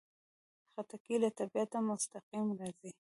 خټکی له طبیعته مستقیم راځي.